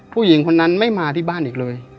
ผู้หญิงคนนั้นไม่มาที่บ้านอีกเลย